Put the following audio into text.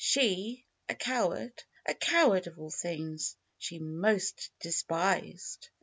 She, a coward! A coward, of all things, she most despised.